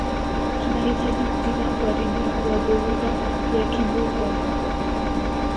tunahitaji kupima uharibifu wa dhoruba ya kimbunga